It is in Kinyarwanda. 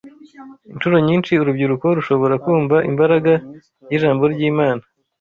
Incuro nyinshi urubyiruko rushobora kumva imbaraga y’ijambo ry’Imana